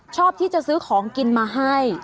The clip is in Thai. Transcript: ชอบที่จะซื้อของกินมาให้